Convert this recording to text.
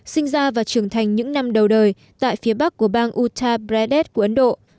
sinh ra và trưởng thành những năm đầu đời tại phía bắc của bang uttar pradesh của ấn độ